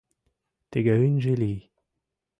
Тыге ынже лий.